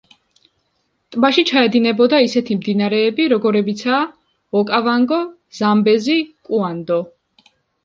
ტბაში ჩაედინებოდა ისეთი მდინარეები, როგორებიცაა: ოკავანგო, ზამბეზი, კუანდო.